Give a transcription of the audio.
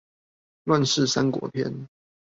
亂世三國篇